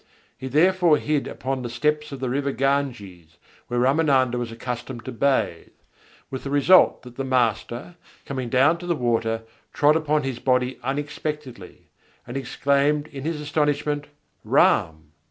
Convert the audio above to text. He therefore hid upon the steps of the river Ganges, where Râmânanda was accustomed to bathe; with the result that the master, coming down to the water, trod upon his body unexpectedly, and exclaimed in his astonishment, "Ram!